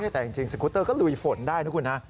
แต่จริงสกุตเตอร์ก็ลุยฝนได้นะคุณนะ